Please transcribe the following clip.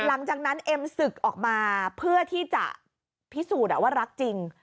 หลังจากนั้นเอ็มศึกออกมาเพื่อที่จะพิสูจน์ว่ารักจริง